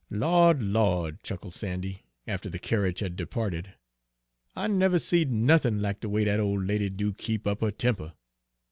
"Lawd, Lawd!" chuckled Sandy, after the carriage had departed, "I never seed nothin' lack de way dat ole lady do keep up her temper!